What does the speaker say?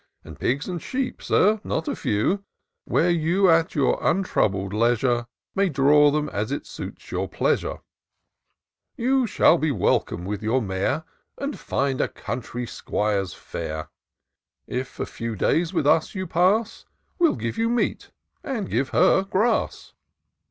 And pigs, and sheep, Sir, not a few ; Where you, at your imtroubled leisure, May draw them as it suits your pleasure. You shall be welcome with your mare, And find a country 'Squire's fare : i 156 TOUR OF DOCTOR SYNTAX If a few days with us you pass, — Well give you meat — ^and give her grass."